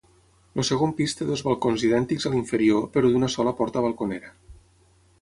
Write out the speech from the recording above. El segon pis té dos balcons idèntics a l'inferior, però d'una sola porta balconera.